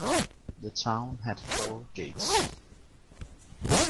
The town had four gates.